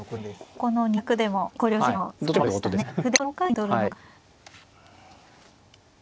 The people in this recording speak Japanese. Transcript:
ここの２択でも今考慮時間を使いましたね。